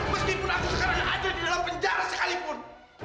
meskipun aku sekarang ada di dalam penjara sekalipun